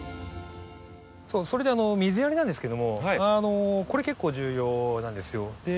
そうそれで水やりなんですけどもこれ結構重要なんですよ。